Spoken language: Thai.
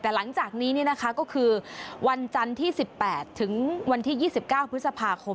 แต่หลังจากนี้ก็คือวันจันทร์ที่๑๘ถึงวันที่๒๙พฤษภาคม